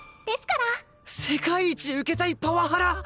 世界一受けたいパワハラ！